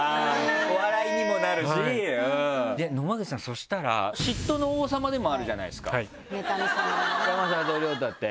笑いにもなるしうん野間口さんそしたら嫉妬の王様でもあるじゃないですか山里亮太って。